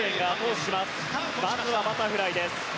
まずはバタフライです。